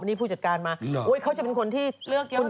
แบบนี้ผู้จัดการมาโอ้ยเขาจะเป็นคนที่เลือกเยอะแล้วเหรอคะ